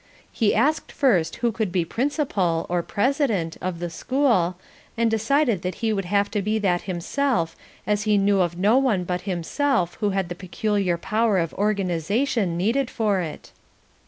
He asked first who could be Principal, or President, of the School, and decided that he would have to be that himself as he knew of no one but himself who had the peculiar power of organisation needed for it.